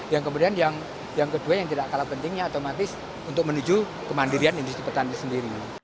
yang kemudian yang kedua yang tidak kalah pentingnya otomatis untuk menuju kemandirian industri petani sendiri